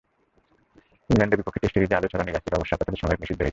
ইংল্যান্ডের বিপক্ষে টেস্ট সিরিজে আলো ছড়ানো ইয়াসির অবশ্য আপাতত সাময়িক নিষিদ্ধ হয়েছেন।